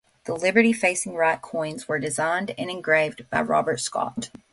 The "Liberty facing right" coins were designed and engraved by Robert Scot.